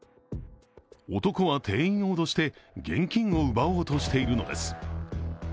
男は店員を脅して現金を奪おうとしているのです。